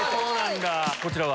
こちらは？